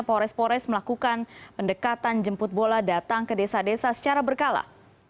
pores pores melakukan pendekatan jemput bola datang ke desa desa secara berkala